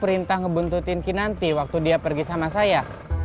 perintah ngebuntutin kinanti waktu dia pergi sama saya